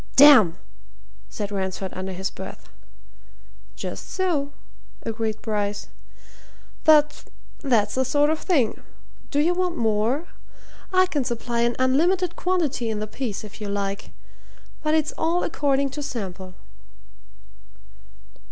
"Damn!" said Ransford under his breath. "Just so," agreed Bryce. "But that's the sort of thing. Do you want more? I can supply an unlimited quantity in the piece if you like. But it's all according to sample."